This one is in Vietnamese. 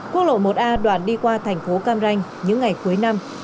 quốc lộ một a đoạn đi qua thành phố cam ranh những ngày cuối năm